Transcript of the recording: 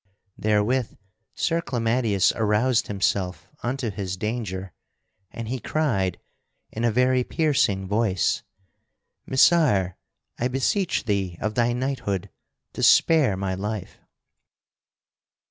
Therewith Sir Clamadius aroused himself unto his danger, and he cried in a very piercing voice: "Messire, I beseech thee of thy knighthood to spare my life!"